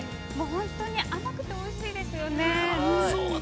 本当に甘くておいしいですよね。